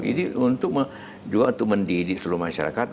jadi untuk juga mendidik seluruh masyarakat